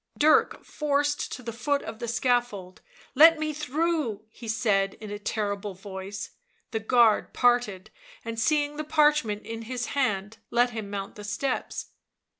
Dirk forced to the foot of the scaffold. " Let me through," he said in a terrible voice; the guard parted ; and seeing the parchment in his hand, let him mount the steps.